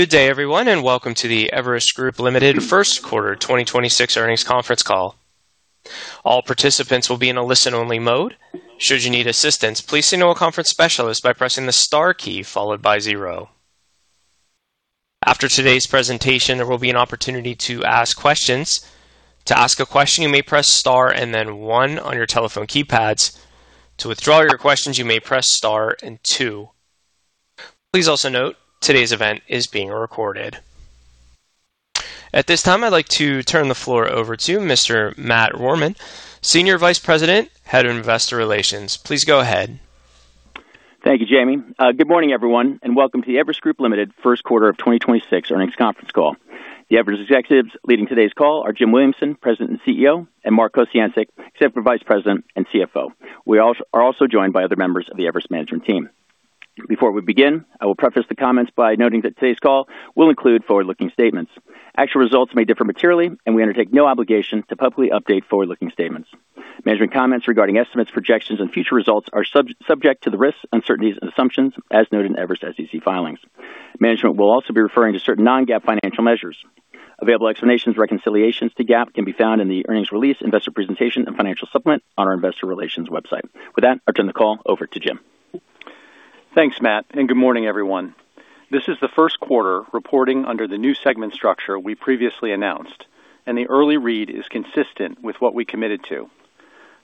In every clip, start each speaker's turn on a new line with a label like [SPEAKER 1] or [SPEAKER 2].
[SPEAKER 1] Good day, everyone, and welcome to the Everest Group, Ltd. First Quarter 2026 Earnings Conference Call. All participants will be in a listen-only mode. Should you need assistance please signal our conference specialist by pressing star key followed by zero. After today's presentation there will be an opportunity to ask questions. To ask a question you may press star and then one on your telephone keypad. To withdraw your question star and two. Please also note that today's event is being recorded. At this time, I'd like to turn the floor over to Mr. Matt Rohrmann, Senior Vice President, Head of Investor Relations. Please go ahead.
[SPEAKER 2] Thank you, Jamie. Good morning, everyone, and welcome to the Everest Group, Ltd. First Quarter of 2026 Earnings Conference Call. The Everest executives leading today's call are Jim Williamson, President and CEO, and Mark Kociancic, Executive Vice President and CFO. We are also joined by other members of the Everest management team. Before we begin, I will preface the comments by noting that today's call will include forward-looking statements. Actual results may differ materially, and we undertake no obligation to publicly update forward-looking statements. Management comments regarding estimates, projections, and future results are subject to the risks, uncertainties, and assumptions as noted in Everest SEC filings. Management will also be referring to certain non-GAAP financial measures. Available explanations and reconciliations to GAAP can be found in the earnings release, investor presentation, and financial supplement on our investor relations website. With that, I'll turn the call over to Jim.
[SPEAKER 3] Thanks, Matt, and good morning, everyone. This is the first quarter reporting under the new segment structure we previously announced, and the early read is consistent with what we committed to,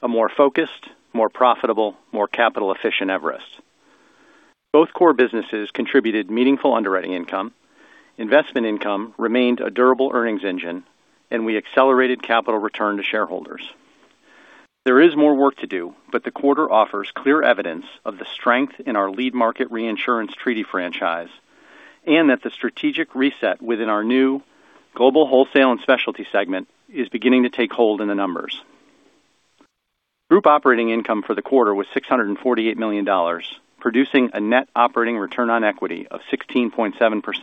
[SPEAKER 3] a more focused, more profitable, more capital-efficient Everest. Both core businesses contributed meaningful underwriting income. Investment income remained a durable earnings engine, and we accelerated capital return to shareholders. There is more work to do. The quarter offers clear evidence of the strength in our lead market reinsurance treaty franchise and that the strategic reset within our new Global Wholesale and Specialty segment is beginning to take hold in the numbers. Group operating income for the quarter was $648 million, producing a net operating return on equity of 16.7%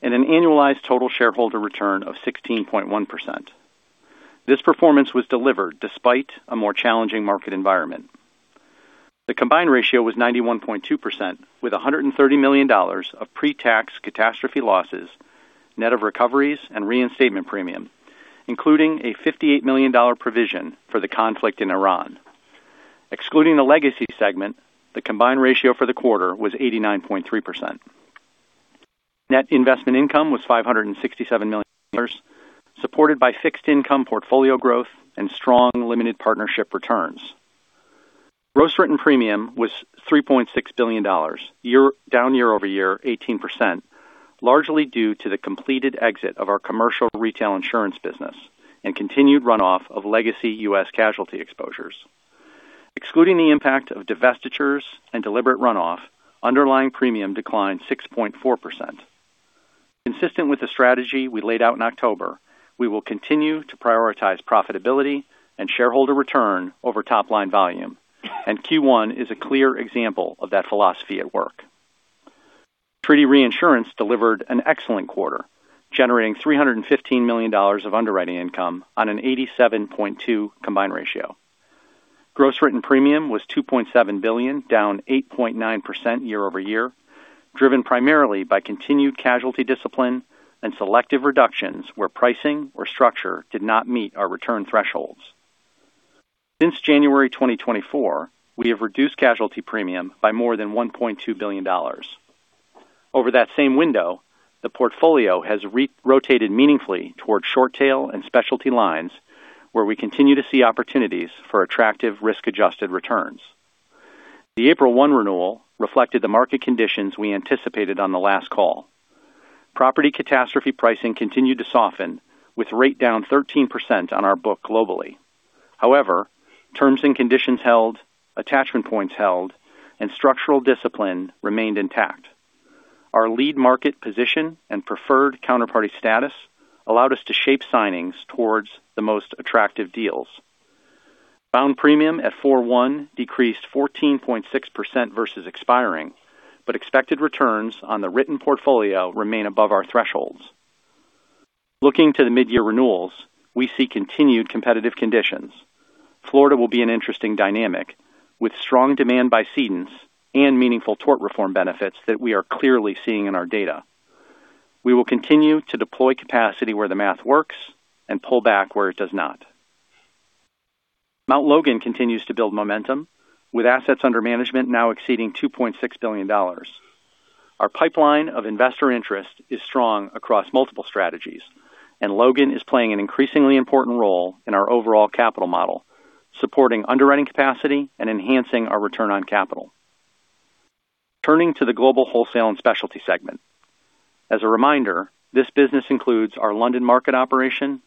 [SPEAKER 3] and an annualized total shareholder return of 16.1%. This performance was delivered despite a more challenging market environment. The combined ratio was 91.2% with $130 million of pre-tax catastrophe losses, net of recoveries and reinstatement premium, including a $58 million provision for the conflict in Iran. Excluding the Legacy Segment, the combined ratio for the quarter was 89.3%. Net investment income was $567 million, supported by fixed income portfolio growth and strong limited partnership returns. Gross written premium was $3.6 billion, down year-over-year 18%, largely due to the completed exit of our commercial retail insurance business and continued runoff of Legacy U.S. casualty exposures. Excluding the impact of divestitures and deliberate runoff, underlying premium declined 6.4%. Consistent with the strategy we laid out in October, we will continue to prioritize profitability and shareholder return over top-line volume, and Q1 is a clear example of that philosophy at work. Treaty reinsurance delivered an excellent quarter, generating $315 million of underwriting income on an 87.2 combined ratio. Gross written premium was $2.7 billion, down 8.9% year-over-year, driven primarily by continued casualty discipline and selective reductions where pricing or structure did not meet our return thresholds. Since January 2024, we have reduced casualty premium by more than $1.2 billion. Over that same window, the portfolio has re-rotated meaningfully towards short tail and specialty lines, where we continue to see opportunities for attractive risk-adjusted returns. The April 1 renewal reflected the market conditions we anticipated on the last call. Property catastrophe pricing continued to soften, with rate down 13% on our book globally. Terms and conditions held, attachment points held, and structural discipline remained intact. Our lead market position and preferred counterparty status allowed us to shape signings towards the most attractive deals. Bound premium at 4/1 decreased 14.6% versus expiring, expected returns on the written portfolio remain above our thresholds. Looking to the mid-year renewals, we see continued competitive conditions. Florida will be an interesting dynamic with strong demand by cedents and meaningful tort reform benefits that we are clearly seeing in our data. We will continue to deploy capacity where the math works and pull back where it does not. Mount Logan continues to build momentum, with assets under management now exceeding $2.6 billion. Our pipeline of investor interest is strong across multiple strategies. Logan is playing an increasingly important role in our overall capital model, supporting underwriting capacity and enhancing our return on capital. Turning to the Global Wholesale and Specialty segment. As a reminder, this business includes our London market operation,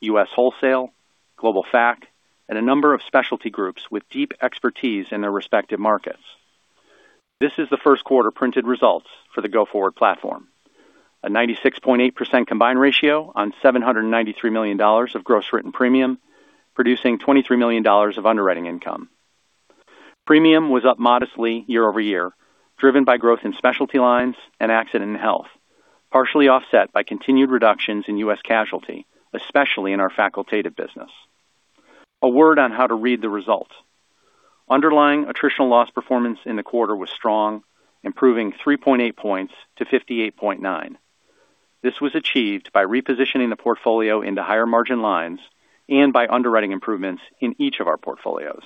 [SPEAKER 3] U.S. Wholesale, Global Fac, and a number of specialty groups with deep expertise in their respective markets. This is the first quarter printed results for the go-forward platform. A 96.8% combined ratio on $793 million of gross written premium, producing $23 million of underwriting income. Premium was up modestly year-over-year, driven by growth in specialty lines and accident and health, partially offset by continued reductions in U.S. casualty, especially in our facultative business. A word on how to read the results. Underlying attritional loss performance in the quarter was strong, improving 3.8 points to 58.9. This was achieved by repositioning the portfolio into higher margin lines and by underwriting improvements in each of our portfolios.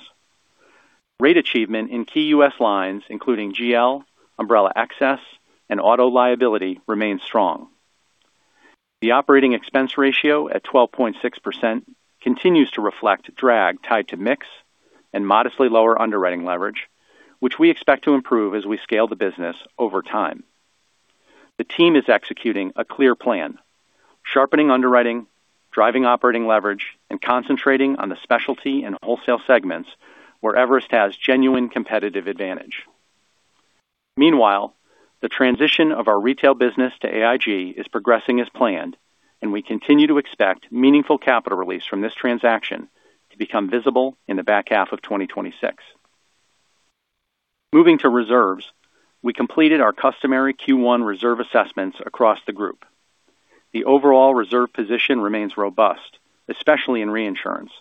[SPEAKER 3] Rate achievement in key U.S. lines, including GL, umbrella excess, and auto liability remains strong. The operating expense ratio at 12.6% continues to reflect drag tied to mix and modestly lower underwriting leverage, which we expect to improve as we scale the business over time. The team is executing a clear plan, sharpening underwriting, driving operating leverage, and concentrating on the specialty and wholesale segments where Everest has genuine competitive advantage. Meanwhile, the transition of our retail business to AIG is progressing as planned, and we continue to expect meaningful capital release from this transaction to become visible in the back half of 2026. Moving to reserves, we completed our customary Q1 reserve assessments across the group. The overall reserve position remains robust, especially in reinsurance,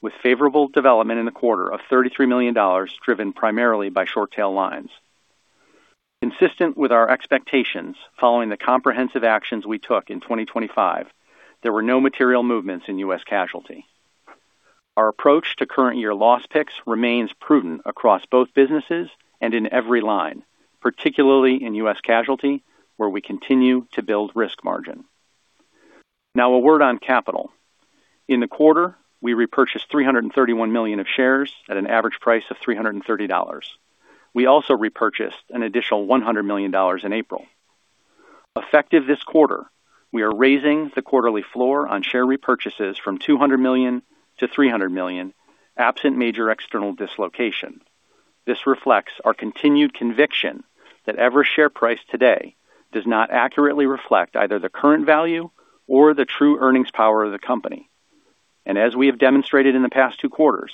[SPEAKER 3] with favorable development in the quarter of $33 million, driven primarily by short tail lines. Consistent with our expectations following the comprehensive actions we took in 2025, there were no material movements in U.S. casualty. Our approach to current year loss picks remains prudent across both businesses and in every line, particularly in U.S. casualty, where we continue to build risk margin. A word on capital. In the quarter, we repurchased 331 million of shares at an average price of $330. We also repurchased an additional $100 million in April. Effective this quarter, we are raising the quarterly floor on share repurchases from $200 million to $300 million, absent major external dislocation. This reflects our continued conviction that Everest share price today does not accurately reflect either the current value or the true earnings power of the company. As we have demonstrated in the past two quarters,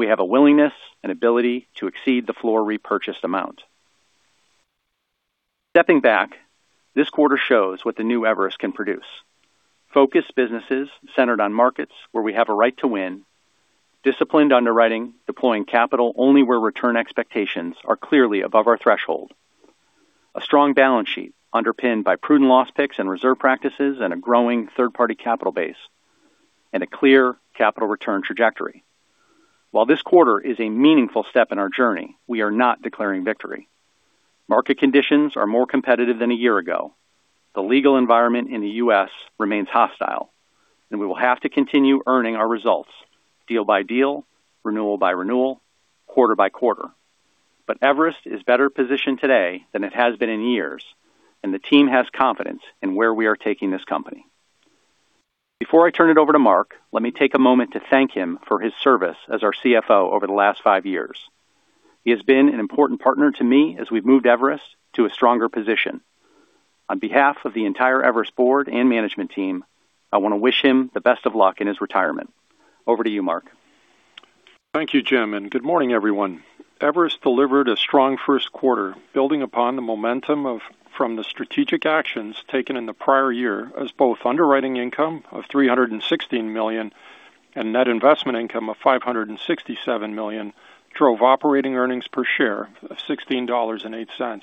[SPEAKER 3] we have a willingness and ability to exceed the floor repurchased amount. Stepping back, this quarter shows what the new Everest can produce. Focused businesses centered on markets where we have a right to win. Disciplined underwriting, deploying capital only where return expectations are clearly above our threshold. A strong balance sheet underpinned by prudent loss picks and reserve practices and a growing third-party capital base, and a clear capital return trajectory. While this quarter is a meaningful step in our journey, we are not declaring victory. Market conditions are more competitive than a year ago. The legal environment in the U.S. remains hostile, and we will have to continue earning our results deal by deal, renewal by renewal, quarter by quarter. Everest is better positioned today than it has been in years, and the team has confidence in where we are taking this company. Before I turn it over to Mark, let me take a moment to thank him for his service as our CFO over the last five years. He has been an important partner to me as we've moved Everest to a stronger position. On behalf of the entire Everest board and management team, I want to wish him the best of luck in his retirement. Over to you, Mark.
[SPEAKER 4] Thank you, Jim. Good morning, everyone. Everest delivered a strong first quarter, building upon the momentum from the strategic actions taken in the prior year as both underwriting income of $316 million and net investment income of $567 million drove operating earnings per share of $16.08.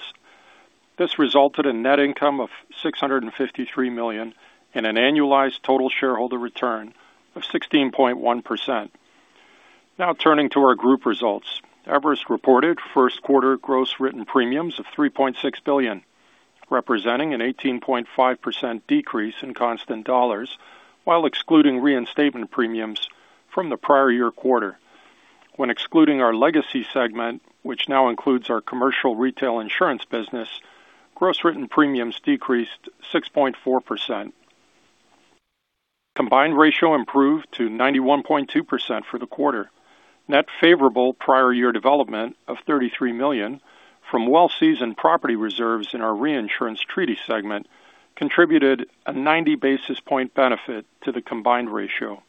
[SPEAKER 4] This resulted in net income of $653 million and an annualized total shareholder return of 16.1%. Turning to our group results. Everest reported first quarter gross written premiums of $3.6 billion, representing an 18.5% decrease in constant dollars, while excluding reinstatement premiums from the prior year quarter. When excluding our Legacy Segment, which now includes our commercial retail insurance business, gross written premiums decreased 6.4%. Combined ratio improved to 91.2% for the quarter. Net favorable prior year development of $33 million from well-seasoned property reserves in our reinsurance treaty segment contributed a 90 basis point benefit to the combined ratio.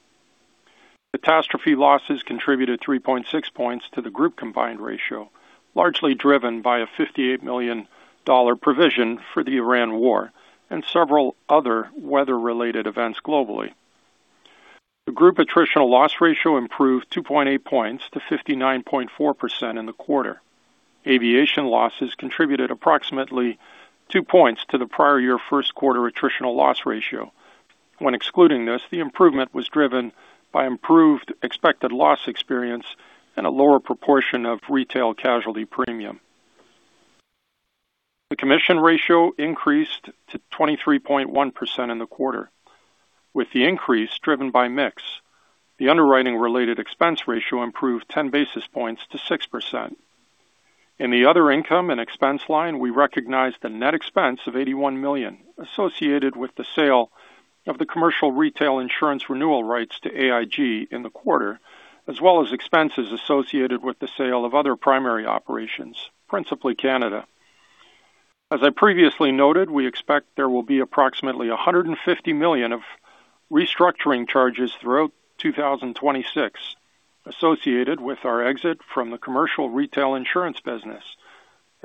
[SPEAKER 4] Catastrophe losses contributed 3.6 points to the group combined ratio, largely driven by a $58 million provision for the Iran war and several other weather-related events globally. The group attritional loss ratio improved 2.8 points to 59.4% in the quarter. Aviation losses contributed approximately 2 points to the prior year first quarter attritional loss ratio. When excluding this, the improvement was driven by improved expected loss experience and a lower proportion of retail casualty premium. The commission ratio increased to 23.1% in the quarter. With the increase driven by mix, the underwriting related expense ratio improved 10 basis points to 6%. In the other income and expense line, we recognized a net expense of $81 million associated with the sale of the commercial retail insurance renewal rights to AIG in the quarter, as well as expenses associated with the sale of other primary operations, principally Canada. As I previously noted, we expect there will be approximately $150 million of restructuring charges throughout 2026 associated with our exit from the commercial retail insurance business.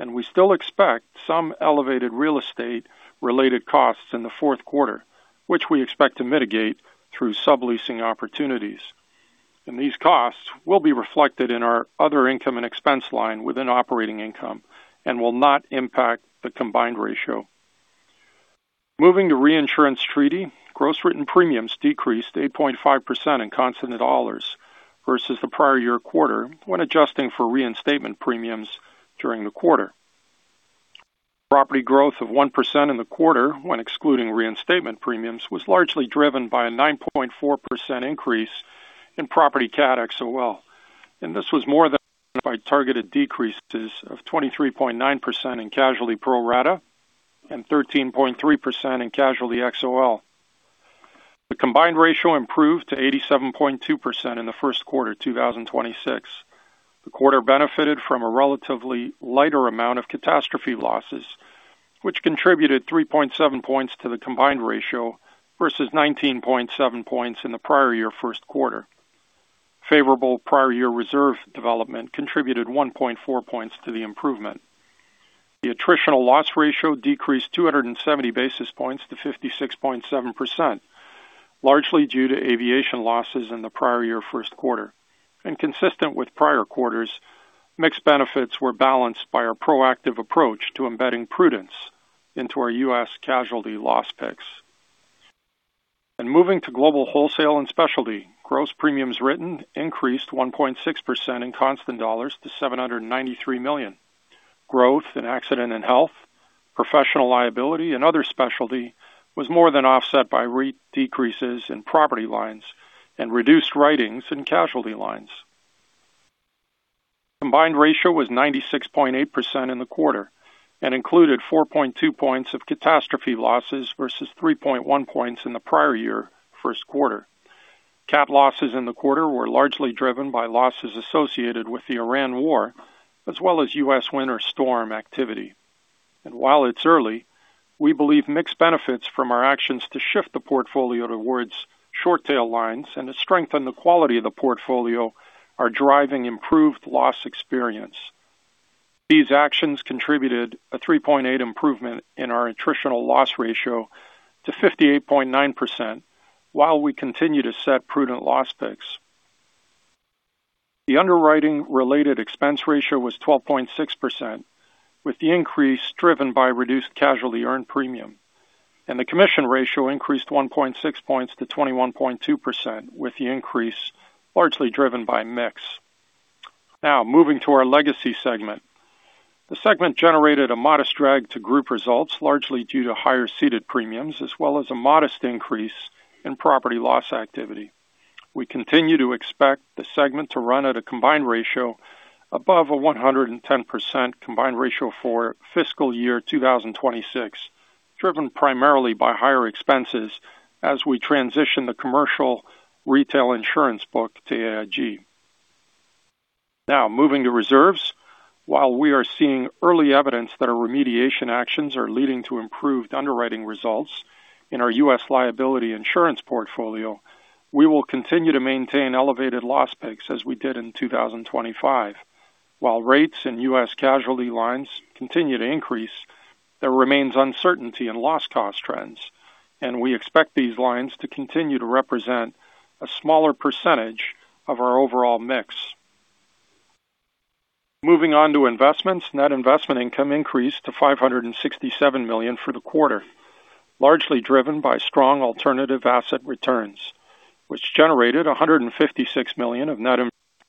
[SPEAKER 4] We still expect some elevated real estate-related costs in the fourth quarter, which we expect to mitigate through subleasing opportunities. These costs will be reflected in our other income and expense line within operating income and will not impact the combined ratio. Moving to reinsurance treaty, gross written premiums decreased 8.5% in constant dollars versus the prior year quarter when adjusting for reinstatement premiums during the quarter. Property growth of 1% in the quarter, when excluding reinstatement premiums, was largely driven by a 9.4% increase in property cat XOL, and this was more than targeted decreases of 23.9% in casualty pro rata and 13.3% in casualty XOL. The combined ratio improved to 87.2% in the first quarter 2026. The quarter benefited from a relatively lighter amount of catastrophe losses, which contributed 3.7 points to the combined ratio versus 19.7 points in the prior year first quarter. Favorable prior year reserve development contributed 1.4 points to the improvement. The attritional loss ratio decreased 270 basis points to 56.7%, largely due to aviation losses in the prior year first quarter. Consistent with prior quarters, mixed benefits were balanced by our proactive approach to embedding prudence into our U.S. casualty loss picks. Moving to Global Wholesale and Specialty. Gross premiums written increased 1.6% in constant dollars to $793 million. Growth in accident and health, professional liability and other specialty was more than offset by rate decreases in property lines and reduced writings in casualty lines. Combined ratio was 96.8% in the quarter and included 4.2 points of catastrophe losses versus 3.1 points in the prior year first quarter. Cat losses in the quarter were largely driven by losses associated with the Iran war as well as U.S. winter storm activity. While it's early, we believe mixed benefits from our actions to shift the portfolio towards short tail lines and to strengthen the quality of the portfolio are driving improved loss experience. These actions contributed a 3.8 improvement in our attritional loss ratio to 58.9% while we continue to set prudent loss picks. The underwriting-related expense ratio was 12.6%, with the increase driven by reduced casualty earned premium, and the commission ratio increased 1.6 points to 21.2%, with the increase largely driven by mix. Moving to our Legacy segment. The segment generated a modest drag to group results, largely due to higher ceded premiums as well as a modest increase in property loss activity. We continue to expect the segment to run at a combined ratio above a 110% combined ratio for fiscal year 2026, driven primarily by higher expenses as we transition the commercial retail insurance book to AIG. Now moving to reserves. While we are seeing early evidence that our remediation actions are leading to improved underwriting results in our U.S. liability insurance portfolio, we will continue to maintain elevated loss picks as we did in 2025. While rates in U.S. casualty lines continue to increase, there remains uncertainty in loss cost trends, and we expect these lines to continue to represent a smaller percentage of our overall mix. Moving on to investments. Net investment income increased to $567 million for the quarter, largely driven by strong alternative asset returns, which generated $156 million of net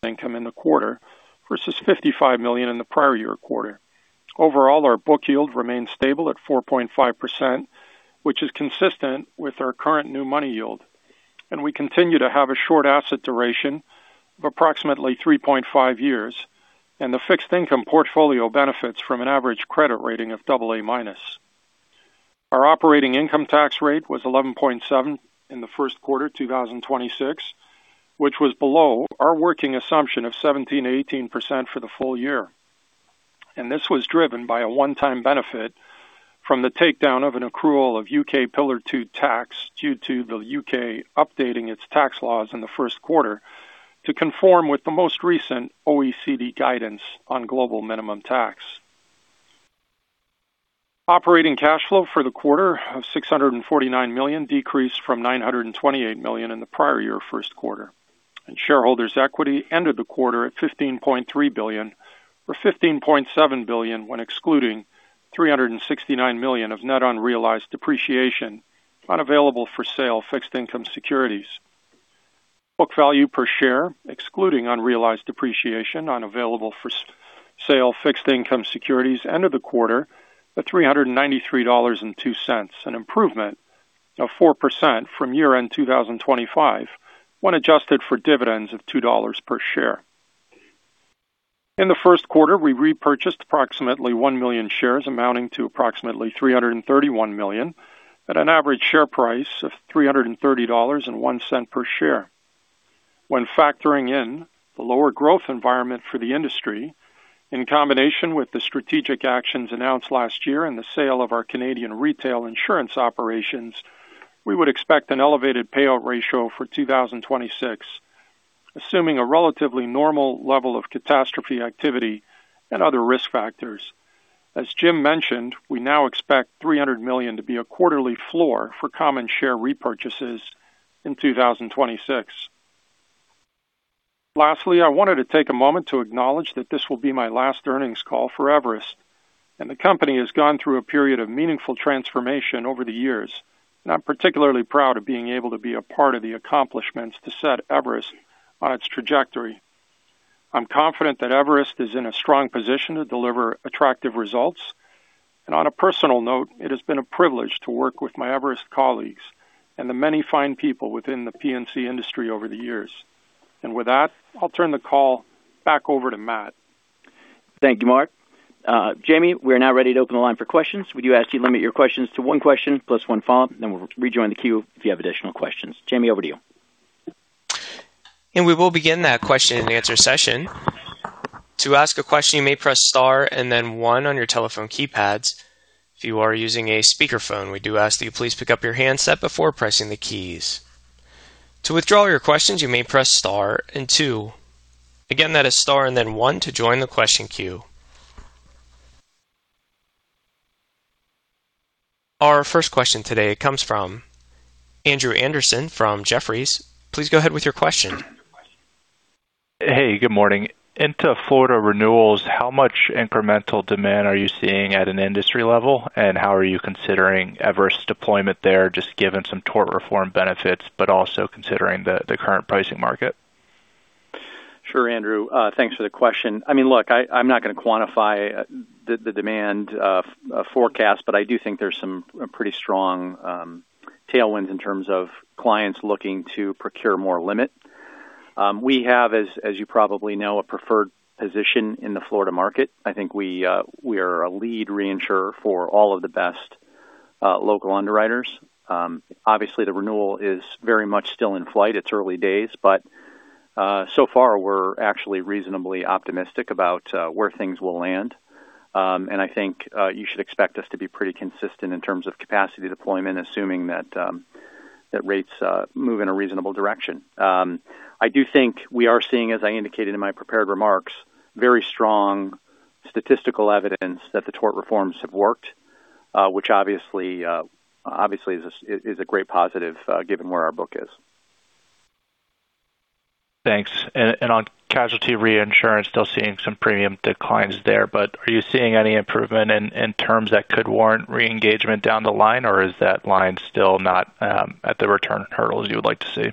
[SPEAKER 4] income in the quarter versus $55 million in the prior year quarter. Overall, our Book Yield remains stable at 4.5%, which is consistent with our current New Money Yield. We continue to have a short asset duration of approximately 3.5 years. The fixed income portfolio benefits from an average credit rating of AA-. Our operating income tax rate was 11.7% in the first quarter 2026, which was below our working assumption of 17%-18% for the full year. This was driven by a one-time benefit from the takedown of an accrual of U.K. Pillar Two tax due to the U.K. updating its tax laws in the first quarter to conform with the most recent OECD guidance on global minimum tax. Operating cash flow for the quarter of $649 million decreased from $928 million in the prior year first quarter. Shareholders' equity ended the quarter at $15.3 billion, or $15.7 billion when excluding $369 million of net unrealized depreciation unavailable for sale fixed income securities. Book value per share, excluding unrealized depreciation unavailable for sale fixed income securities ended the quarter at $393.02, an improvement of 4% from year-end 2025 when adjusted for dividends of $2 per share. In the first quarter, we repurchased approximately one million shares, amounting to approximately $331 million at an average share price of $330.01 per share. When factoring in the lower growth environment for the industry, in combination with the strategic actions announced last year and the sale of our Canadian retail insurance operations, we would expect an elevated payout ratio for 2026. Assuming a relatively normal level of catastrophe activity and other risk factors. As Jim Williamson mentioned, we now expect $300 million to be a quarterly floor for common share repurchases in 2026. Lastly, I wanted to take a moment to acknowledge that this will be my last earnings call for Everest, and the company has gone through a period of meaningful transformation over the years. I'm particularly proud of being able to be a part of the accomplishments to set Everest on its trajectory. I'm confident that Everest is in a strong position to deliver attractive results. On a personal note, it has been a privilege to work with my Everest colleagues and the many fine people within the P&C industry over the years. With that, I'll turn the call back over to Matt.
[SPEAKER 2] Thank you, Mark. Jamie, we are now ready to open the line for questions. We do ask you to limit your questions to one question plus one follow-up, then we'll rejoin the queue if you have additional questions. Jamie, over to you.
[SPEAKER 1] We will begin that question and answer session. To ask a question, you may press Star and then one on your telephone keypads. If you are using a speakerphone, we do ask that you please pick up your handset before pressing the keys. To withdraw your questions, you may press Star and two. Again, that is Star and then one to join the question queue. Our first question today comes from Andrew Andersen from Jefferies. Please go ahead with your question.
[SPEAKER 5] Hey, good morning. Into Florida renewals, how much incremental demand are you seeing at an industry level, and how are you considering Everest's deployment there, just given some tort reform benefits, but also considering the current pricing market?
[SPEAKER 3] Sure, Andrew, thanks for the question. I mean, look, I'm not gonna quantify the demand of forecast, but I do think there's some pretty strong tailwinds in terms of clients looking to procure more limit. We have, as you probably know, a preferred position in the Florida market. I think we are a lead reinsurer for all of the best local underwriters. Obviously, the renewal is very much still in flight. It's early days, but so far, we're actually reasonably optimistic about where things will land. I think you should expect us to be pretty consistent in terms of capacity deployment, assuming that rates move in a reasonable direction. I do think we are seeing, as I indicated in my prepared remarks, very strong statistical evidence that the tort reforms have worked, which obviously is a great positive, given where our book is.
[SPEAKER 5] Thanks. On casualty reinsurance, still seeing some premium declines there, but are you seeing any improvement in terms that could warrant reengagement down the line, or is that line still not at the return hurdles you would like to see?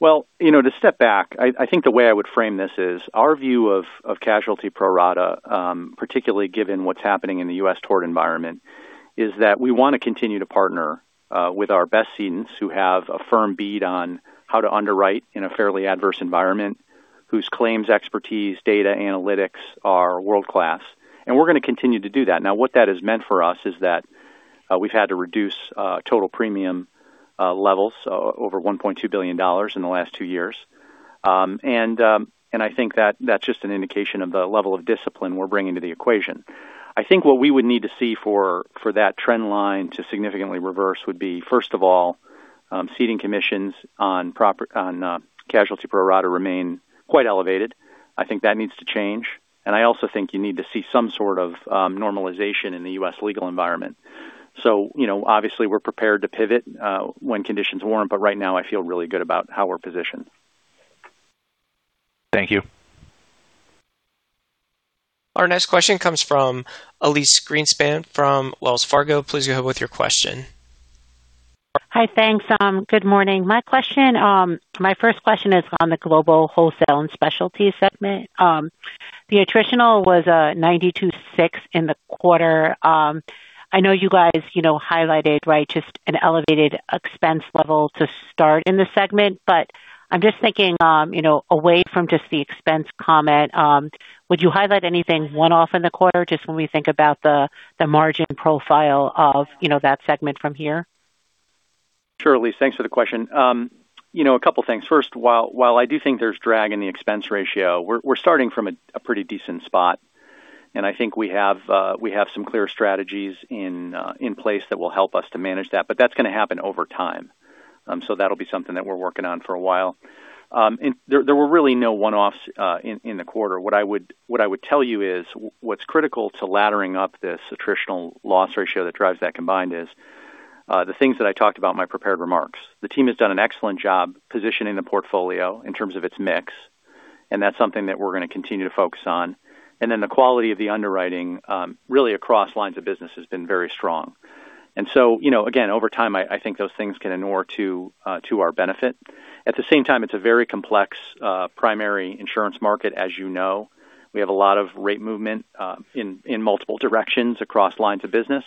[SPEAKER 3] Well, you know, to step back, I think the way I would frame this is our view of casualty pro rata, particularly given what's happening in the U.S. tort environment, is that we wanna continue to partner with our best cedents who have a firm bead on how to underwrite in a fairly adverse environment, whose claims expertise, data analytics are world-class, and we're gonna continue to do that. What that has meant for us is that we've had to reduce total premium levels over $1.2 billion in the last two years. I think that that's just an indication of the level of discipline we're bringing to the equation. I think what we would need to see for that trend line to significantly reverse would be, first of all, ceding commissions on casualty pro rata remain quite elevated. I think that needs to change, and I also think you need to see some sort of normalization in the U.S. legal environment. You know, obviously we're prepared to pivot when conditions warrant, but right now I feel really good about how we're positioned.
[SPEAKER 5] Thank you.
[SPEAKER 1] Our next question comes from Elyse Greenspan from Wells Fargo. Please go ahead with your question.
[SPEAKER 6] Hi. Thanks. Good morning. My question, my first question is on the Global Wholesale and Specialty segment. The attritional was 92.6% in the quarter. I know you guys, you know, highlighted, just an elevated expense level to start in the segment, but I'm just thinking, you know, away from just the expense comment, would you highlight anything one-off in the quarter just when we think about the margin profile of, you know, that segment from here?
[SPEAKER 3] Sure, Elyse. Thanks for the question. You know, a couple of things. First, while I do think there's drag in the expense ratio, we're starting from a pretty decent spot, and I think we have some clear strategies in place that will help us to manage that, but that's gonna happen over time. That'll be something that we're working on for a while. There were really no one-offs in the quarter. What I would tell you is what's critical to laddering up this attritional loss ratio that drives that combined is the things that I talked about in my prepared remarks. The team has done an excellent job positioning the portfolio in terms of its mix, and that's something that we're gonna continue to focus on. The quality of the underwriting, really across lines of business has been very strong. You know, again, over time, I think those things can inure to our benefit. At the same time, it's a very complex primary insurance market, as you know. We have a lot of rate movement, in multiple directions across lines of business.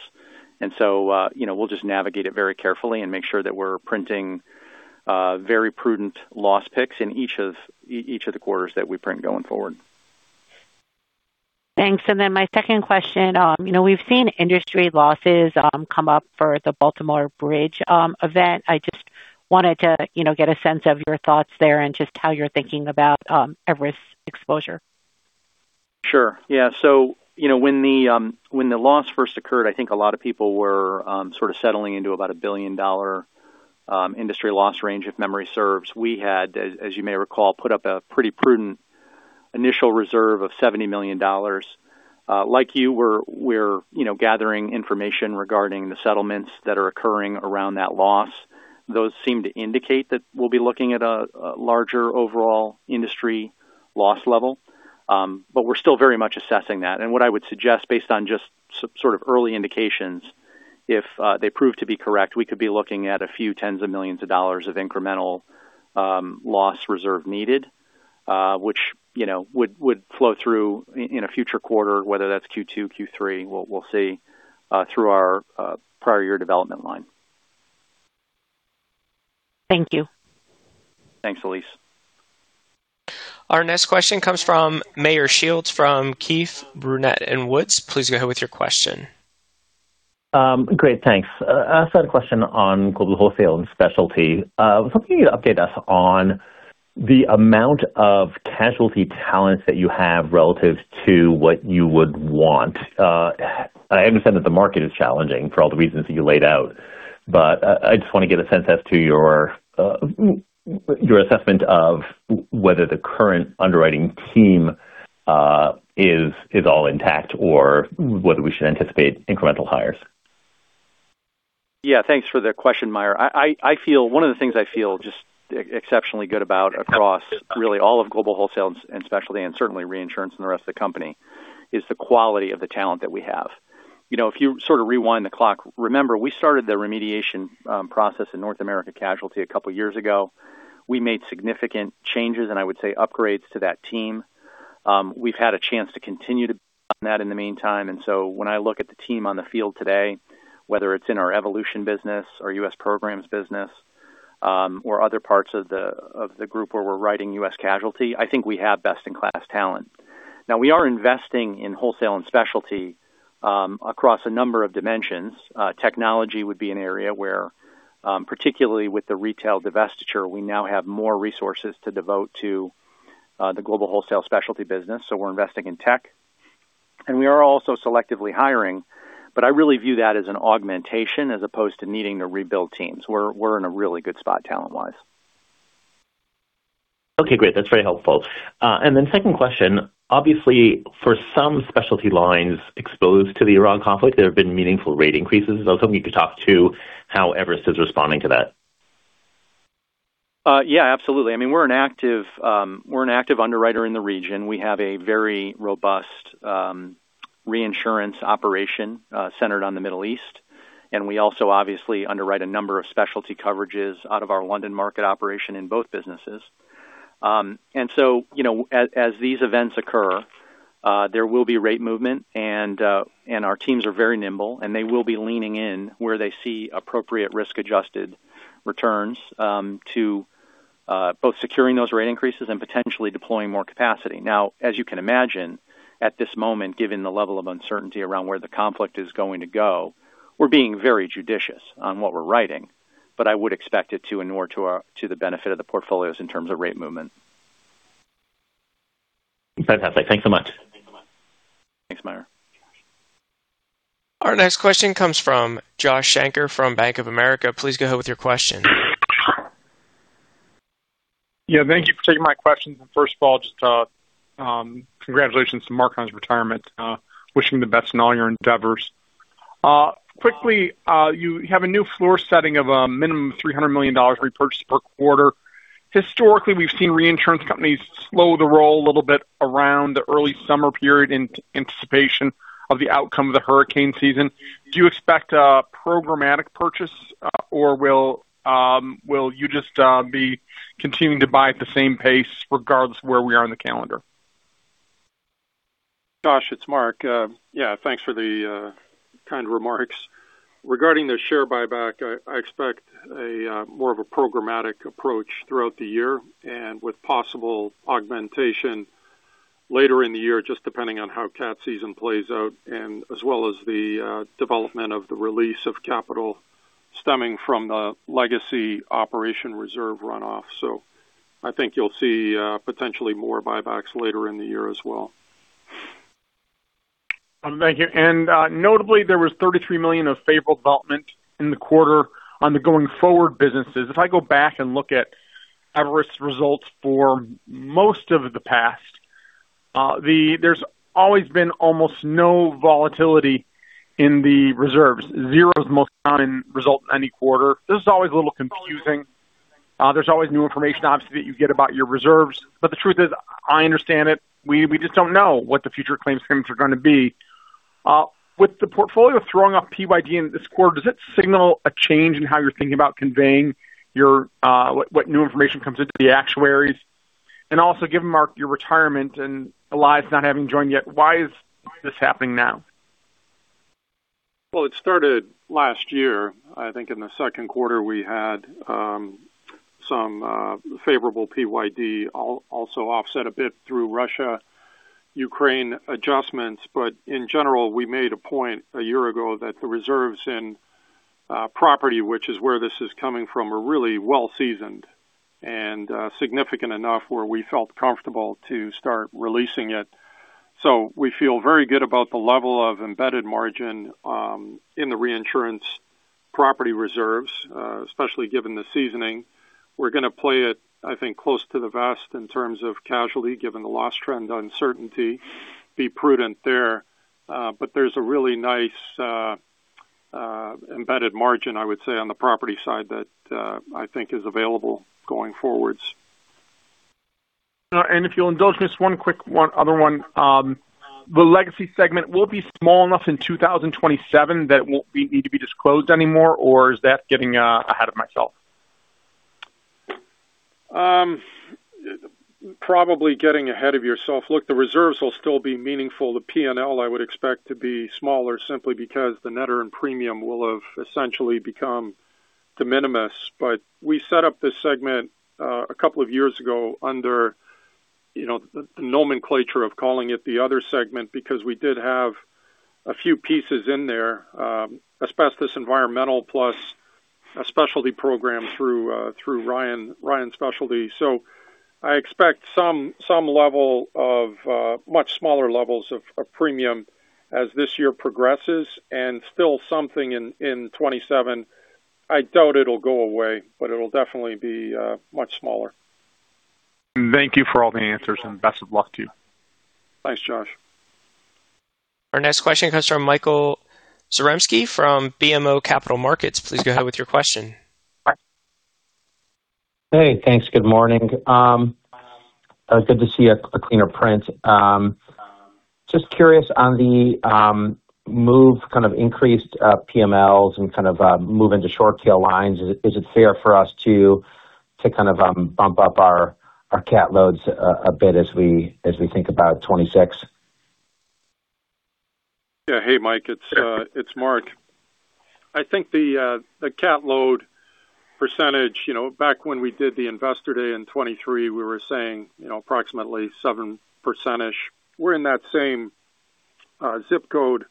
[SPEAKER 3] You know, we'll just navigate it very carefully and make sure that we're printing very prudent loss picks in each of the quarters that we print going forward.
[SPEAKER 6] Thanks. My second question, you know, we've seen industry losses come up for the Baltimore Bridge event. I just wanted to, you know, get a sense of your thoughts there and just how you're thinking about Everest exposure.
[SPEAKER 3] Sure. Yeah. You know, when the loss first occurred, I think a lot of people were, sort of settling into about a billion industry loss range, if memory serves. We had, as you may recall, put up a pretty prudent initial reserve of $70 million. Like you, we're, you know, gathering information regarding the settlements that are occurring around that loss. Those seem to indicate that we'll be looking at a larger overall industry loss level. We're still very much assessing that. What I would suggest based on just sort of early indications, if they prove to be correct, we could be looking at a few tens of millions of dollars of incremental loss reserve needed, which, you know, would flow through in a future quarter, whether that's Q2, Q3, we'll see, through our prior year development line.
[SPEAKER 6] Thank you.
[SPEAKER 3] Thanks, Elyse.
[SPEAKER 1] Our next question comes from Meyer Shields from Keefe, Bruyette & Woods. Please go ahead with your question.
[SPEAKER 7] Great, thanks. I just had a question on Global Wholesale and Specialty. Was hoping you'd update us on the amount of casualty talent that you have relative to what you would want. I understand that the market is challenging for all the reasons that you laid out, but I just want to get a sense as to your assessment of whether the current underwriting team is all intact or whether we should anticipate incremental hires.
[SPEAKER 3] Yeah, thanks for the question, Meyer. I feel one of the things I feel just exceptionally good about across really all of Global Wholesale and Specialty and certainly reinsurance and the rest of the company, is the quality of the talent that we have. You know, if you sort of rewind the clock, remember we started the remediation process in North America Casualty a couple of years ago. We made significant changes, and I would say upgrades to that team. We've had a chance to continue to build on that in the meantime. When I look at the team on the field today, whether it's in our Evolution business or U.S. Programs business, or other parts of the group where we're writing U.S. Casualty, I think we have best-in-class talent. Now, we are investing in Wholesale and Specialty across a number of dimensions. Technology would be an area where, particularly with the retail divestiture, we now have more resources to devote to the Global Wholesale and Specialty business, so we're investing in tech. We are also selectively hiring, but I really view that as an augmentation as opposed to needing to rebuild teams. We're in a really good spot talent-wise.
[SPEAKER 7] Okay, great. That's very helpful. Second question. Obviously, for some specialty lines exposed to the Iran conflict, there have been meaningful rate increases. I was hoping you could talk to how Everest is responding to that.
[SPEAKER 3] Yeah, absolutely. I mean, we're an active underwriter in the region. We have a very robust reinsurance operation centered on the Middle East, and we also obviously underwrite a number of specialty coverages out of our London Market operation in both businesses. You know, as these events occur, there will be rate movement and our teams are very nimble, and they will be leaning in where they see appropriate risk-adjusted returns to both securing those rate increases and potentially deploying more capacity. Now, as you can imagine, at this moment, given the level of uncertainty around where the conflict is going to go, we're being very judicious on what we're writing. I would expect it to inure to the benefit of the portfolios in terms of rate movement.
[SPEAKER 7] Fantastic. Thanks so much.
[SPEAKER 3] Thanks, Meyer.
[SPEAKER 1] Our next question comes from Josh Shanker from Bank of America. Please go ahead with your question.
[SPEAKER 8] Yeah, thank you for taking my question. First of all, just congratulations to Mark on his retirement. Wishing the best in all your endeavors. Quickly, you have a new floor setting of a minimum $300 million repurchase per quarter. Historically, we've seen reinsurance companies slow the roll a little bit around the early summer period in anticipation of the outcome of the hurricane season. Do you expect a programmatic purchase, or will you just be continuing to buy at the same pace regardless of where we are in the calendar?
[SPEAKER 4] Josh, it's Mark. Thanks for the kind remarks. Regarding the share buyback, I expect a more of a programmatic approach throughout the year and with possible augmentation later in the year, just depending on how cat season plays out and as well as the development of the release of capital stemming from the Legacy operation reserve runoff. I think you'll see potentially more buybacks later in the year as well.
[SPEAKER 8] Thank you. Notably, there was $33 million of favorable development in the quarter on the going-forward businesses. If I go back and look at Everest results for most of the past, there's always been almost no volatility in the reserves. Zero is the most common result in any quarter. This is always a little confusing. There's always new information, obviously, that you get about your reserves. The truth is I understand it. We just don't know what the future claims streams are going to be. With the portfolio throwing off PYD in this quarter, does it signal a change in how you're thinking about conveying your what new information comes into the actuaries? Also, given Mark, your retirement and Elias not having joined yet, why is this happening now?
[SPEAKER 4] It started last year. I think in the second quarter, we had some favorable PYD also offset a bit through Russia-Ukraine adjustments. In general, we made a point a year ago that the reserves in property, which is where this is coming from, are really well seasoned and significant enough where we felt comfortable to start releasing it. We feel very good about the level of embedded margin in the reinsurance property reserves, especially given the seasoning. We're gonna play it, I think, close to the vest in terms of casualty, given the loss trend uncertainty. Be prudent there. There's a really nice embedded margin, I would say, on the property side that I think is available going forwards.
[SPEAKER 8] If you'll indulge me just one quick other one. The Legacy segment will be small enough in 2027 that won't need to be disclosed anymore, or is that getting ahead of myself?
[SPEAKER 4] Probably getting ahead of yourself. Look, the reserves will still be meaningful. The P&L, I would expect to be smaller simply because the net earned premium will have essentially become de minimis. We set up this segment a couple of years ago under, you know, the nomenclature of calling it the other segment because we did have a few pieces in there, asbestos, environmental, plus a specialty program through Ryan Specialty. I expect some level of much smaller levels of premium as this year progresses and still something in 2027. I doubt it'll go away, but it'll definitely be much smaller.
[SPEAKER 8] Thank you for all the answers, and best of luck to you.
[SPEAKER 4] Thanks, Josh.
[SPEAKER 1] Our next question comes from Michael Zaremski from BMO Capital Markets. Please go ahead with your question.
[SPEAKER 9] Hey, thanks. Good morning. Good to see a cleaner print. Just curious on the move, kind of increased PMLs and kind of move into short tail lines, is it fair for us to kind of bump up our cat loads a bit as we think about 2026?
[SPEAKER 4] Yeah. Hey, Mike, it's Mark. I think the cat load percentage, you know, back when we did the Investor Day in 2023, we were saying, you know, approximately 7%-ish. We're in that same zip code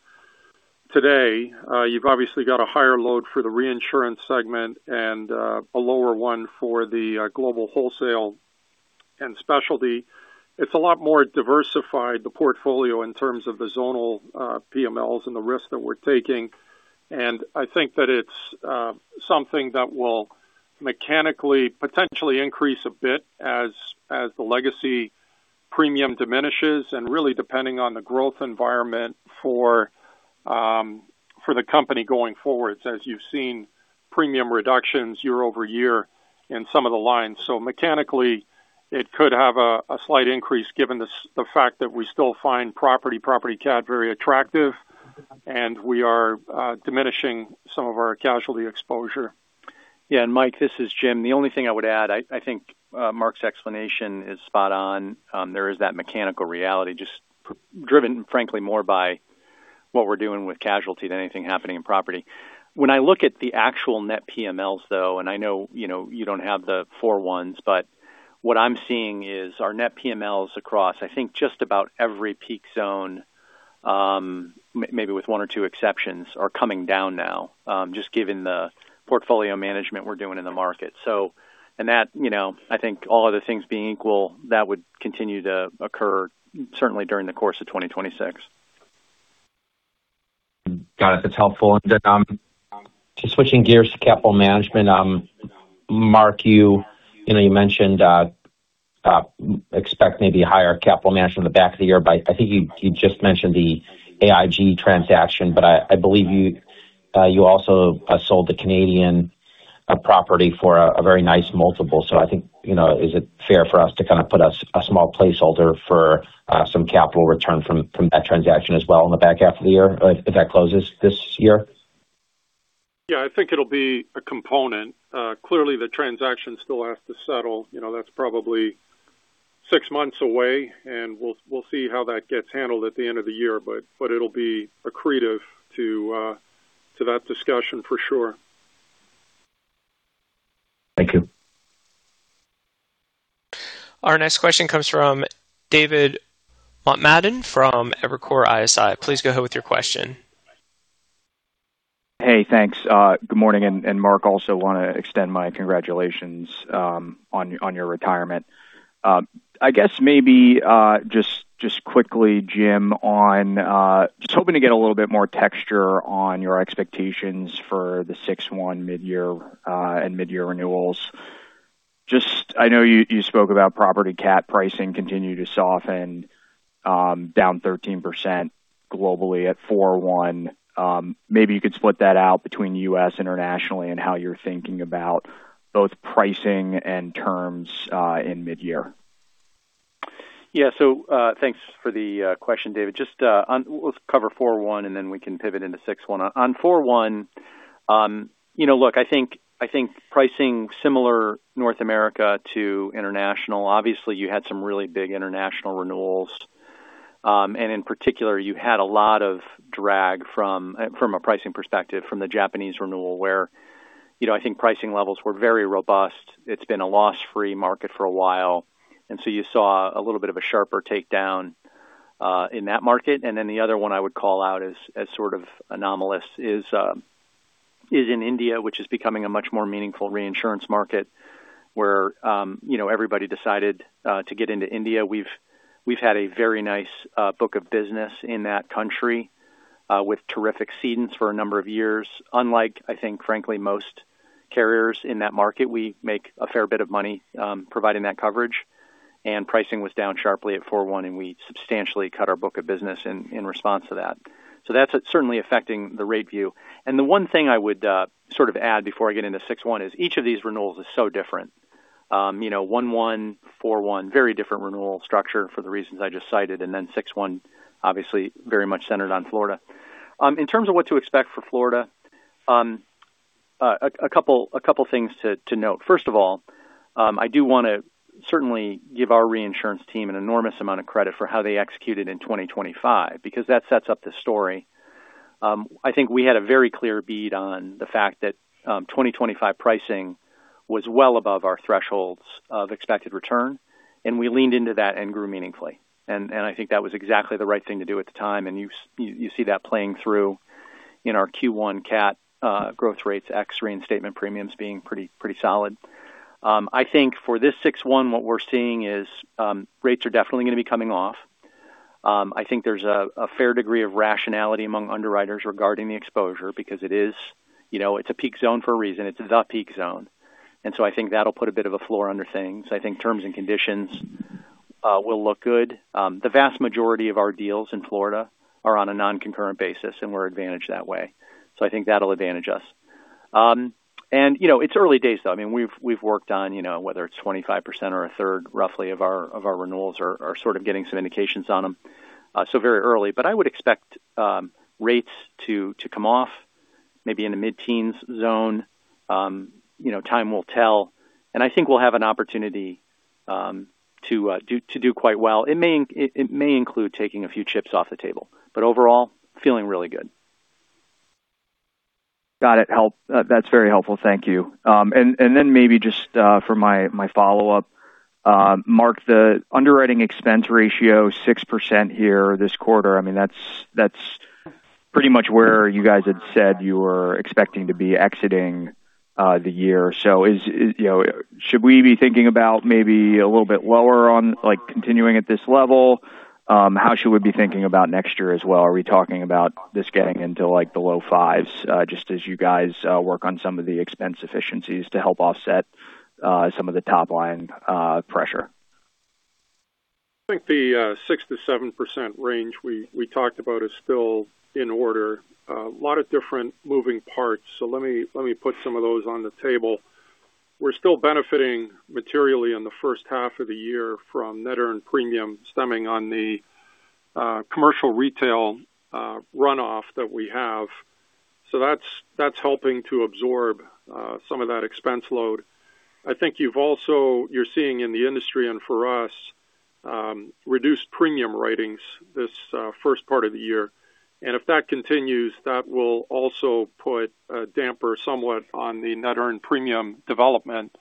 [SPEAKER 4] today. You've obviously got a higher load for the reinsurance segment and a lower one for the Global Wholesale and Specialty. It's a lot more diversified, the portfolio, in terms of the zonal PMLs and the risks that we're taking. I think that it's something that will mechanically potentially increase a bit as the Legacy premium diminishes and really depending on the growth environment for the company going forward, as you've seen premium reductions year over year in some of the lines. Mechanically, it could have a slight increase given the fact that we still find property cat very attractive, and we are diminishing some of our casualty exposure.
[SPEAKER 3] Yeah. Mike, this is Jim. The only thing I would add, I think Mark's explanation is spot on. There is that mechanical reality just driven, frankly, more by what we're doing with casualty than anything happening in property. When I look at the actual net PMLs, though, and I know, you know, you don't have the 4/1, but what I'm seeing is our net PMLs across, I think, just about every peak zone, maybe with one or two exceptions, are coming down now, just given the portfolio management we're doing in the market. That, you know, I think all other things being equal, that would continue to occur certainly during the course of 2026.
[SPEAKER 9] Got it. That's helpful. Just switching gears to capital management. Mark, you know, you mentioned expect maybe a higher capital management in the back of the year, but I think you just mentioned the AIG transaction, but I believe you also sold the Canadian property for a very nice multiple. I think, you know, is it fair for us to kind of put a small placeholder for some capital return from that transaction as well in the back half of the year, if that closes this year?
[SPEAKER 4] Yeah, I think it'll be a component. Clearly the transaction still has to settle. You know, that's probably six months away, and we'll see how that gets handled at the end of the year. It'll be accretive to that discussion for sure.
[SPEAKER 9] Thank you.
[SPEAKER 1] Our next question comes from David Motemaden from Evercore ISI. Please go ahead with your question.
[SPEAKER 10] Hey, thanks. Good morning. And Mark, also wanna extend my congratulations on your retirement. I guess maybe quickly, Jim, just hoping to get a little bit more texture on your expectations for the 6/1 midyear and midyear renewals. I know you spoke about property cat XOL continue to soften, down 13% globally at 4/1. Maybe you could split that out between U.S. internationally and how you're thinking about both pricing and terms in midyear.
[SPEAKER 3] Yeah. Thanks for the question, David. Just let's cover 4/1, and then we can pivot into 6/1. On 4/1, you know, look, I think pricing similar North America to international. Obviously, you had some really big international renewals. In particular, you had a lot of drag from a pricing perspective, from the Japanese renewal, where, you know, I think pricing levels were very robust. It's been a loss-free market for a while, you saw a little bit of a sharper takedown in that market. Then the other one I would call out as sort of anomalous is in India, which is becoming a much more meaningful reinsurance market where, you know, everybody decided to get into India. We've had a very nice book of business in that country with terrific cedents for a number of years. Unlike, I think, frankly, most carriers in that market, we make a fair bit of money providing that coverage. Pricing was down sharply at 4/1, and we substantially cut our book of business in response to that. That's certainly affecting the rate view. The one thing I would sort of add before I get into 6/1 is each of these renewals is so different. You know, 1/1, 4/1, very different renewal structure for the reasons I just cited, then 6/1 obviously very much centered on Florida. In terms of what to expect for Florida, a couple things to note. First of all, I do want to certainly give our reinsurance team an enormous amount of credit for how they executed in 2025 because that sets up the story. I think we had a very clear bead on the fact that 2025 pricing was well above our thresholds of expected return, and we leaned into that and grew meaningfully. I think that was exactly the right thing to do at the time, and you see that playing through in our Q1 CAT growth rates, X reinstatement premiums being pretty solid. I think for this 6/1, what we're seeing is rates are definitely gonna be coming off. I think there's a fair degree of rationality among underwriters regarding the exposure because it is, you know, it's a peak zone for a reason. It's the peak zone. I think that'll put a bit of a floor under things. I think terms and conditions will look good. The vast majority of our deals in Florida are on a non-concurrent basis, and we're advantaged that way. I think that'll advantage us. You know, it's early days though. I mean, we've worked on, you know, whether it's 25% or a third roughly of our renewals are sort of getting some indications on them. Very early, but I would expect rates to come off maybe in the mid-teens zone. You know, time will tell, I think we'll have an opportunity to do quite well. It may include taking a few chips off the table, overall, feeling really good.
[SPEAKER 10] Got it. That's very helpful. Thank you. Then maybe just for my follow-up. Mark, the underwriting expense ratio, 6% here this quarter. I mean, that's pretty much where you guys had said you were expecting to be exiting the year. Is, you know, should we be thinking about maybe a little bit lower on like continuing at this level? How should we be thinking about next year as well? Are we talking about this getting into like the low fives, just as you guys work on some of the expense efficiencies to help offset some of the top line pressure?
[SPEAKER 4] I think the 6%-7% range we talked about is still in order. A lot of different moving parts, let me put some of those on the table. We're still benefiting materially in the first half of the year from net earned premium stemming on the commercial retail runoff that we have. That's helping to absorb some of that expense load. I think you're seeing in the industry and for us, reduced premium writings this first part of the year. If that continues, that will also put a damper somewhat on the net earned premium development,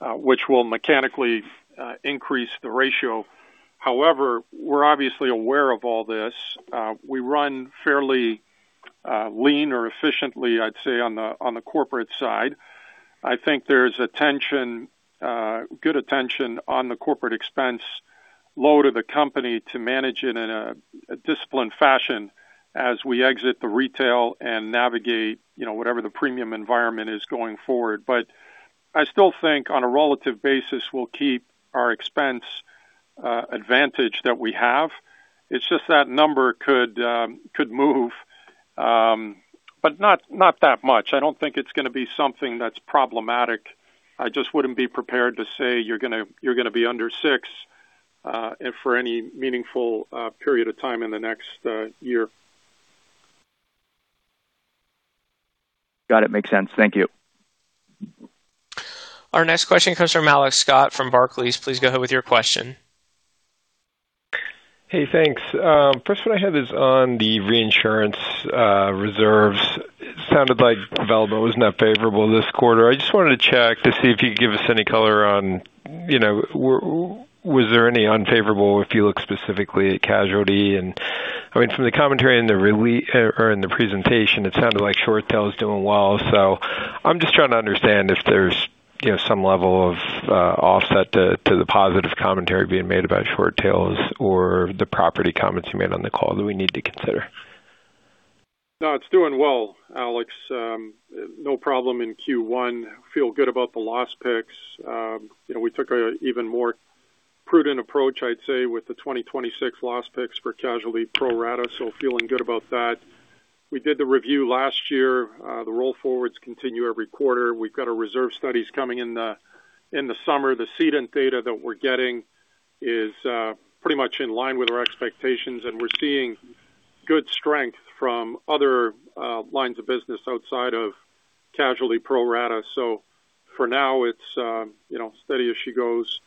[SPEAKER 4] which will mechanically increase the ratio. We're obviously aware of all this. We run fairly lean or efficiently, I'd say, on the corporate side. I think there's attention, good attention on the corporate expense load of the company to manage it in a disciplined fashion as we exit the retail and navigate, you know, whatever the premium environment is going forward. I still think on a relative basis, we'll keep our expense advantage that we have. It's just that number could move, but not that much. I don't think it's gonna be something that's problematic. I just wouldn't be prepared to say you're gonna be under 6% if for any meaningful period of time in the next year.
[SPEAKER 10] Got it. Makes sense. Thank you.
[SPEAKER 1] Our next question comes from Alex Scott from Barclays. Please go ahead with your question.
[SPEAKER 11] Hey, thanks. First one I have is on the reinsurance reserves. It sounded like VUL was not favorable this quarter. I just wanted to check to see if you could give us any color on, you know, was there any unfavorable if you look specifically at casualty? I mean, from the commentary in the presentation, it sounded like short tail is doing well. I'm just trying to understand if there's, you know, some level of offset to the positive commentary being made about short tails or the property comments you made on the call that we need to consider.
[SPEAKER 4] It's doing well, Alex. No problem in Q1. Feel good about the loss picks. You know, we took a even more prudent approach, I'd say, with the 2026 loss picks for casualty pro rata, feeling good about that. We did the review last year. The roll forwards continue every quarter. We've got our reserve studies coming in the summer. The cedent data that we're getting is pretty much in line with our expectations, and we're seeing good strength from other lines of business outside of casualty pro rata. For now it's, you know, steady as she goes.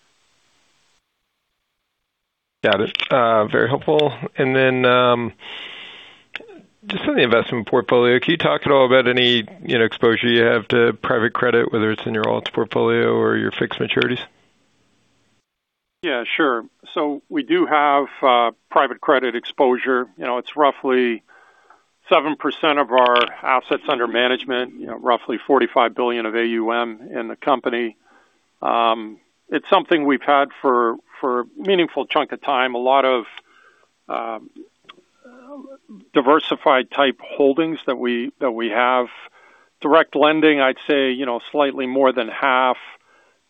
[SPEAKER 11] Got it. Very helpful. Just on the investment portfolio, can you talk at all about any, you know, exposure you have to private credit, whether it's in your alts portfolio or your fixed maturities?
[SPEAKER 4] Yeah, sure. We do have private credit exposure. You know, it's roughly 7% of our assets under management, you know, roughly $45 billion of AUM in the company. It's something we've had for a meaningful chunk of time. A lot of diversified type holdings that we have. Direct lending, I'd say, you know, slightly more than half.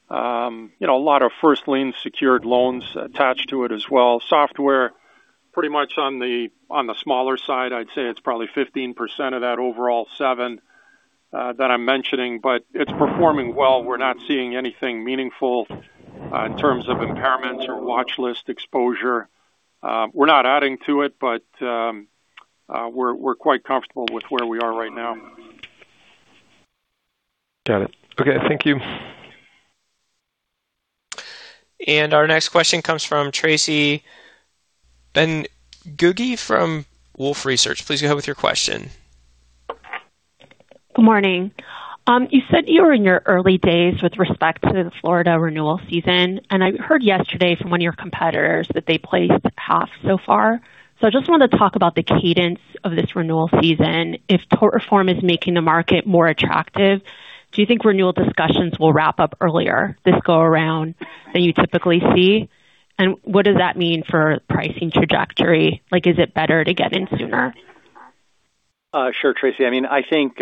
[SPEAKER 4] You know, a lot of first lien secured loans attached to it as well. Software, pretty much on the smaller side. I'd say it's probably 15% of that overall 7% that I'm mentioning, but it's performing well. We're not seeing anything meaningful in terms of impairments or watchlist exposure. We're not adding to it, but we're quite comfortable with where we are right now.
[SPEAKER 11] Got it. Okay. Thank you.
[SPEAKER 1] Our next question comes from Tracy Benguigui from Wolfe Research. Please go ahead with your question.
[SPEAKER 12] Good morning. You said you were in your early days with respect to the Florida renewal season, and I heard yesterday from one of your competitors that they placed half so far. I just wanted to talk about the cadence of this renewal season. If tort reform is making the market more attractive, do you think renewal discussions will wrap up earlier this go around than you typically see? What does that mean for pricing trajectory? Like, is it better to get in sooner?
[SPEAKER 3] Sure, Tracy. I think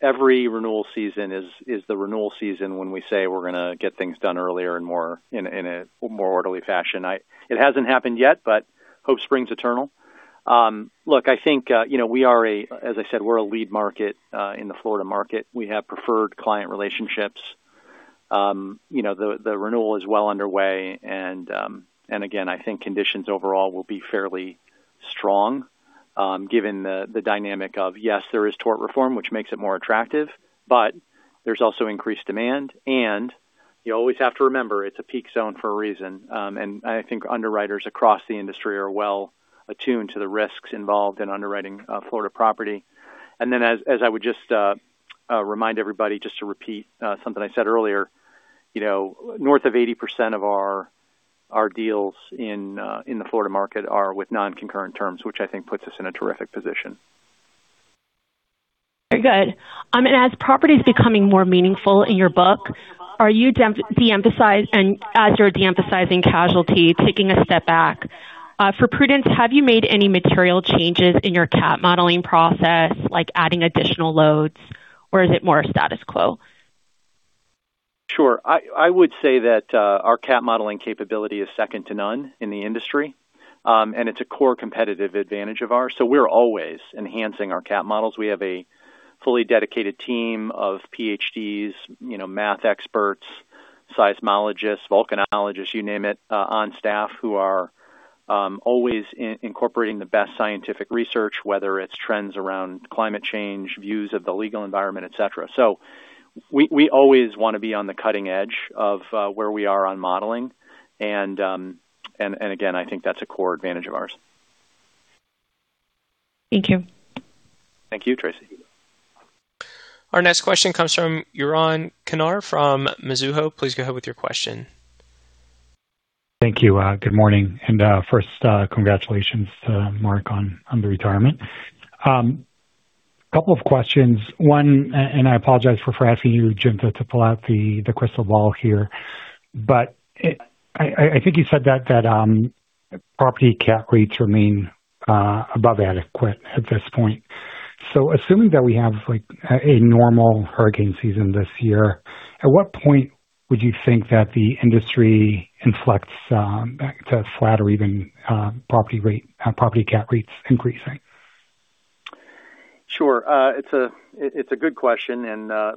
[SPEAKER 3] every renewal season is the renewal season when we say we're gonna get things done earlier and in a more orderly fashion. It hasn't happened yet, but hope springs eternal. Look, I think as I said, we're a lead market in the Florida market. We have preferred client relationships. The renewal is well underway. Again, I think conditions overall will be fairly strong given the dynamic of, yes, there is tort reform, which makes it more attractive, but there's also increased demand. You always have to remember it's a peak zone for a reason. I think underwriters across the industry are well attuned to the risks involved in underwriting Florida property. As I would just remind everybody just to repeat something I said earlier, you know, north of 80% of our deals in the Florida market are with non-concurrent terms, which I think puts us in a terrific position.
[SPEAKER 12] Very good. As property is becoming more meaningful in your book, and as you're de-emphasizing casualty, taking a step back, for prudence, have you made any material changes in your CAT modeling process, like adding additional loads, or is it more status quo?
[SPEAKER 3] Sure. I would say that our CAT modeling capability is second to none in the industry. It's a core competitive advantage of ours, so we're always enhancing our CAT models. We have a fully dedicated team of PhDs, you know, math experts, seismologists, volcanologists, you name it, on staff who are always incorporating the best scientific research, whether it's trends around climate change, views of the legal environment, et cetera. We, we always want to be on the cutting edge of where we are on modeling. Again, I think that's a core advantage of ours.
[SPEAKER 12] Thank you.
[SPEAKER 3] Thank you, Tracy.
[SPEAKER 1] Our next question comes from Yaron Kinar from Mizuho. Please go ahead with your question.
[SPEAKER 13] Thank you. Good morning. First, congratulations to Mark on the retirement. Couple of questions. One, and I apologize for asking you, Jim, to pull out the crystal ball here, but I think you said that property CAT rates remain above adequate at this point. Assuming that we have, like, a normal hurricane season this year, at what point would you think that the industry inflects back to flat or even property CAT rates increasing?
[SPEAKER 3] Sure. It's a good question.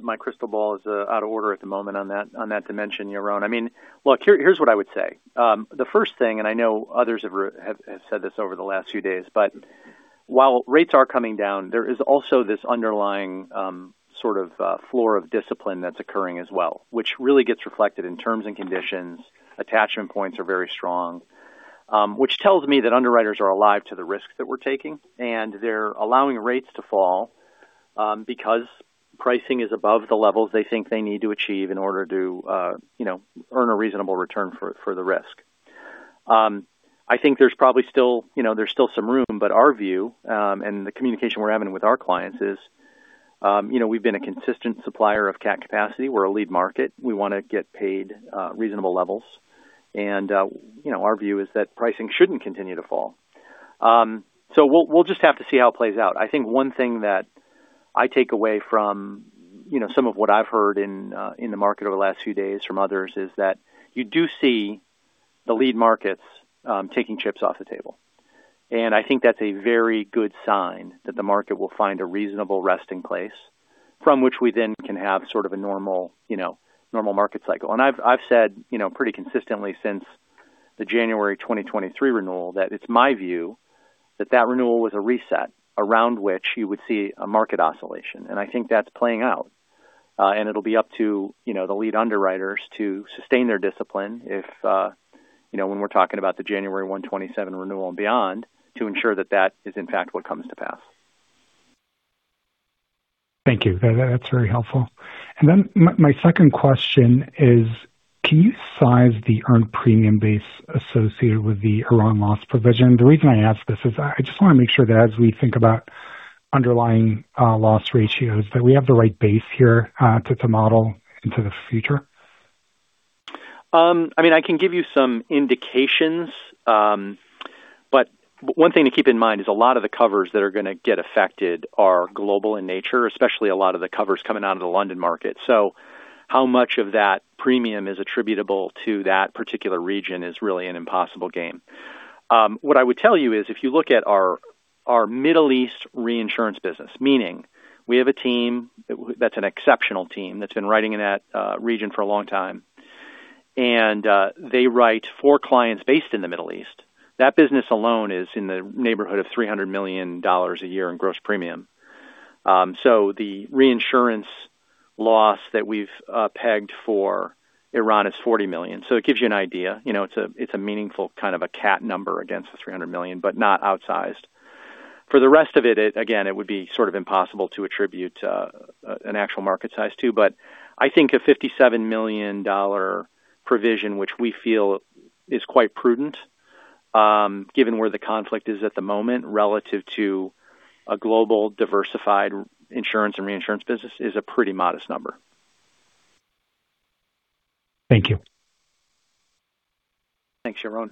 [SPEAKER 3] My crystal ball is out of order at the moment on that, on that dimension, Yaron. I mean, look, here's what I would say. The first thing. I know others have said this over the last few days. While rates are coming down, there is also this underlying, sort of, floor of discipline that's occurring as well, which really gets reflected in terms and conditions. Attachment points are very strong. Which tells me that underwriters are alive to the risks that we're taking. They're allowing rates to fall, because pricing is above the levels they think they need to achieve in order to, you know, earn a reasonable return for the risk. I think there's still some room, but our view, and the communication we're having with our clients is, you know, we've been a consistent supplier of CAT capacity. We're a lead market. We wanna get paid, reasonable levels. You know, our view is that pricing shouldn't continue to fall. So we'll just have to see how it plays out. I think one thing that I take away from, you know, some of what I've heard in the market over the last few days from others is that you do see the lead markets, taking chips off the table. I think that's a very good sign that the market will find a reasonable resting place from which we then can have sort of a normal, you know, normal market cycle. I've said, you know, pretty consistently since the January 2023 renewal that it's my view that that renewal was a reset around which you would see a market oscillation, and I think that's playing out. It'll be up to, you know, the lead underwriters to sustain their discipline if, you know, when we're talking about the January 1 2027 renewal and beyond, to ensure that that is in fact what comes to pass.
[SPEAKER 13] Thank you. That's very helpful. My second question is, can you size the earned premium base associated with the Iran loss provision? The reason I ask this is I just want to make sure that as we think about underlying loss ratios, that we have the right base here to model into the future.
[SPEAKER 3] I mean, I can give you some indications. One thing to keep in mind is a lot of the covers that are gonna get affected are global in nature, especially a lot of the covers coming out of the London market. How much of that premium is attributable to that particular region is really an impossible game. What I would tell you is, if you look at our Middle East reinsurance business, meaning we have a team that's an exceptional team that's been writing in that region for a long time. They write four clients based in the Middle East. That business alone is in the neighborhood of $300 million a year in gross premium. The reinsurance loss that we've pegged for Iran is $40 million. It gives you an idea. You know, it's a, it's a meaningful kind of a CAT number against the $300 million, but not outsized. For the rest of it, again, it would be sort of impossible to attribute an actual market size to, but I think a $57 million provision, which we feel is quite prudent, given where the conflict is at the moment relative to a global diversified insurance and reinsurance business, is a pretty modest number.
[SPEAKER 13] Thank you.
[SPEAKER 3] Thanks, Yaron.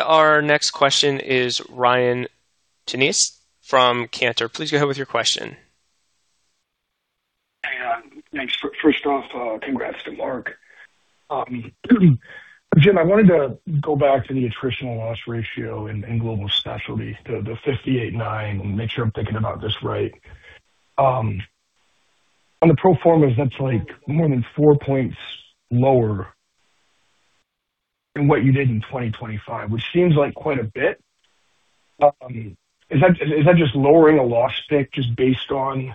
[SPEAKER 1] Our next question is Ryan Tunis from Cantor. Please go ahead with your question.
[SPEAKER 14] Thanks. First off, congrats to Mark. Jim, I wanted to go back to the attritional loss ratio in global specialty, the 58.9, and make sure I'm thinking about this right. On the pro formas, that's like more than 4 points lower than what you did in 2025, which seems like quite a bit. Is that just lowering a loss pick just based on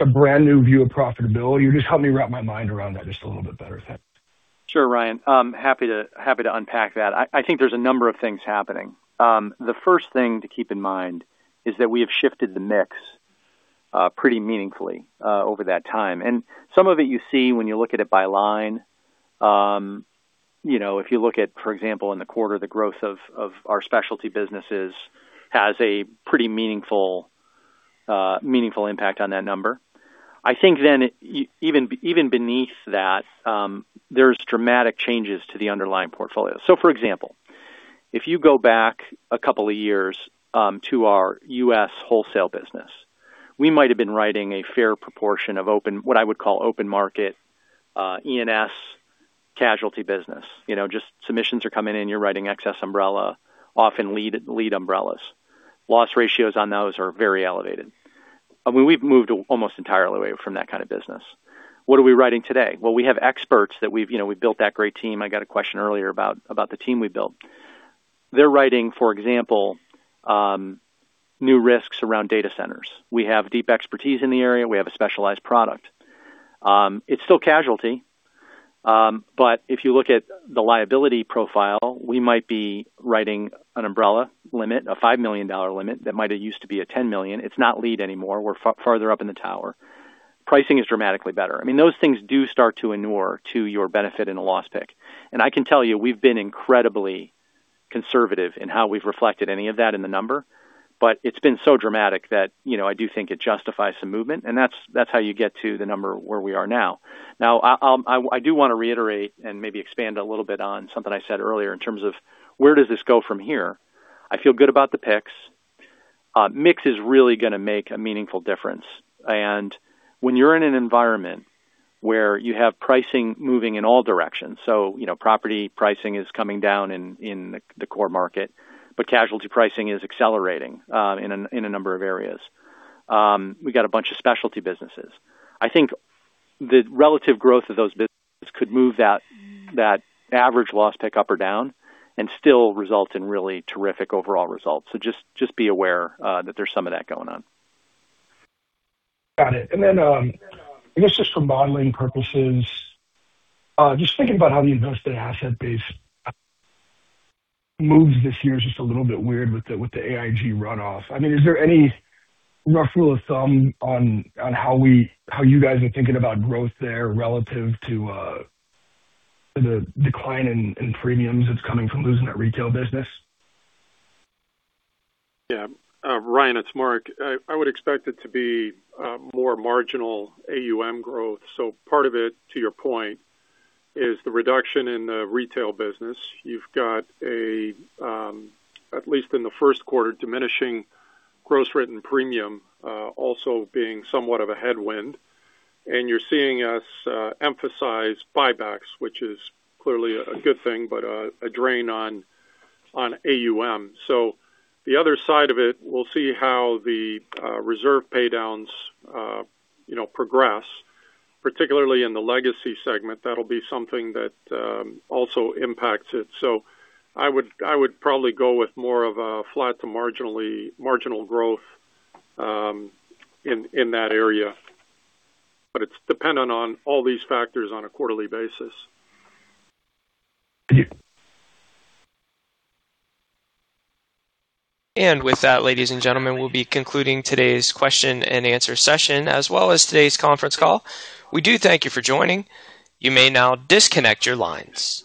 [SPEAKER 14] a brand-new view of profitability? Or just help me wrap my mind around that just a little bit better. Thanks.
[SPEAKER 3] Sure, Ryan. I'm happy to unpack that. I think there's a number of things happening. The first thing to keep in mind is that we have shifted the mix pretty meaningfully over that time. Some of it you see when you look at it by line. You know, if you look at, for example, in the quarter, the growth of our specialty businesses has a pretty meaningful impact on that number. Even beneath that, there's dramatic changes to the underlying portfolio. For example, if you go back a couple of years, to our U.S. Wholesale business, we might have been writing a fair proportion of what I would call open market ENS casualty business. You know, just submissions are coming in, you're writing excess umbrella, often lead umbrellas. Loss ratios on those are very elevated. I mean, we've moved almost entirely away from that kind of business. What are we writing today? Well, we have experts that we've built that great team. I got a question earlier about the team we built. They're writing, for example, new risks around data centers. We have deep expertise in the area. We have a specialized product. It's still casualty. If you look at the liability profile, we might be writing an umbrella limit, a $5 million limit that might've used to be a $10 million. It's not lead anymore. We're farther up in the tower. Pricing is dramatically better. I mean, those things do start to inure to your benefit in a loss pick. I can tell you, we've been incredibly conservative in how we've reflected any of that in the number. It's been so dramatic that, you know, I do think it justifies some movement. That's how you get to the number where we are now. I do want to reiterate and maybe expand a little bit on something I said earlier in terms of where does this go from here. I feel good about the picks. Mix is really going to make a meaningful difference. When you're in an environment where you have pricing moving in all directions, you know, property pricing is coming down in the core market, but casualty pricing is accelerating in a number of areas. We got a bunch of specialty businesses. I think the relative growth of those businesses could move that average loss pick up or down and still result in really terrific overall results. Just be aware that there's some of that going on.
[SPEAKER 14] Got it. I guess just for modeling purposes, just thinking about how the invested asset base moves this year is just a little bit weird with the AIG runoff. I mean, is there any rough rule of thumb on how you guys are thinking about growth there relative to the decline in premiums that's coming from losing that retail business?
[SPEAKER 4] Yeah. Ryan, it's Mark. I would expect it to be more marginal AUM growth. Part of it, to your point, is the reduction in the retail business. You've got a, at least in the first quarter, diminishing gross written premium, also being somewhat of a headwind. You're seeing us emphasize buybacks, which is clearly a good thing, but a drain on AUM. The other side of it, we'll see how the reserve paydowns, you know, progress, particularly in the Legacy segment. That'll be something that also impacts it. I would probably go with more of a flat to marginal growth in that area. It's dependent on all these factors on a quarterly basis.
[SPEAKER 14] Thank you.
[SPEAKER 1] With that, ladies and gentlemen, we'll be concluding today's question and answer session, as well as today's conference call. We do thank you for joining. You may now disconnect your lines.